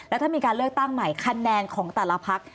แล้วถ้ามีการเลือกตั้งใหม่คะแนนของแต่ละพัก